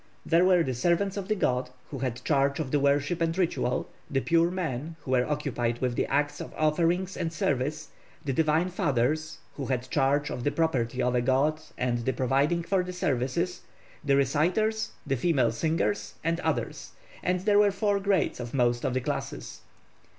There were the 'servants of the god,' who had charge of the worship and ritual; the 'pure men,' who were occupied with the acts of offerings and service; the 'divine fathers,' who had charge of the property of a god and the providing for the services; the 'reciters'; the 'female singers'; and others; and there were four grades of most of the classes.